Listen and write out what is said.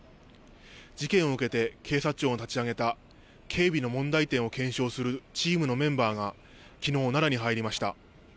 事件を受けて警察庁が立ち上げた、警備の問題点を検証するチームのメンバーが、きのう、奈良に入りました。